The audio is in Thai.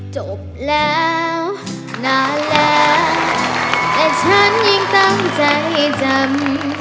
จบแล้วนานแล้วแต่ฉันยังต้องจ่างให้จำ